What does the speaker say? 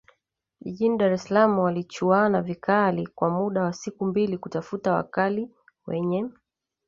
jijini Dar es Salaam walichuana vikali kwa muda wa siku mbili kutafuta wakali wenye